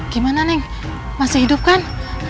gimana neng masih hidup kan